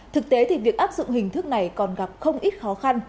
thực tế thì việc áp dụng hình thức này còn gặp không ít khó khăn